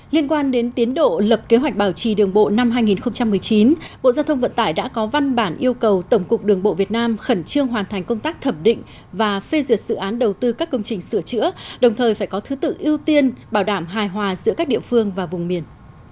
liên quan đến tiến độ lập kế hoạch bảo trì đường bộ năm hai nghìn một mươi chín bộ giao thông vận tải đã có văn bản yêu cầu tổng cục đường bộ việt nam khẩn trương hoàn thành công tác thẩm định và phê duyệt dự án đầu tư các công trình sửa chữa đồng thời phải có thứ tự ưu tiên bảo đảm hài hòa giữa các địa phương và vùng miền